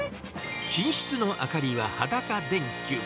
寝室の明かりは裸電球。